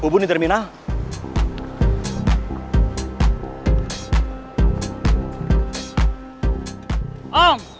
bubun di terminal